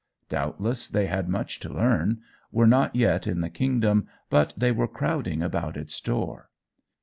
Doubtless they had much to learn, were not yet in the kingdom, but they were crowding about its door.